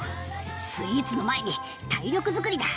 スイーツの前に体力づくりだ。